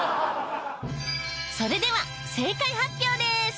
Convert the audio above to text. それでは正解発表です。